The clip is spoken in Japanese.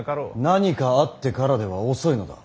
何かあってからでは遅いのだ。